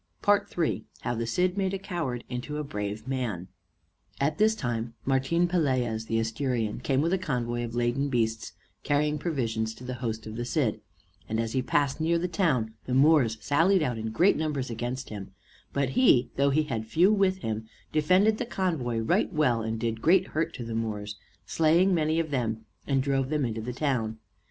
III HOW THE CID MADE A COWARD INTO A BRAVE MAN At this time Martin Pelaez the Asturian came with a convoy of laden beasts, carrying provisions to the host of the Cid; and as he passed near the town the Moors sallied out in great numbers against him; but he, though he had few with him, defended the convoy right well, and did great hurt to the Moors, slaying many of them, and drove them into the town.